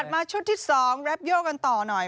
ถัดมาชุดที่สองรับโยกันต่อหน่อย